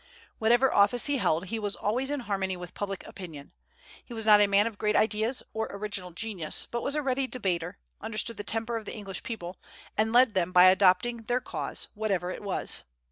Whatever office he held, he was always in harmony with public opinion. He was not a man of great ideas or original genius, but was a ready debater, understood the temper of the English people, and led them by adopting their cause, whatever it was.